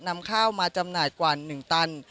นำข้าวมาจำหน่ายกว่า๑ตัน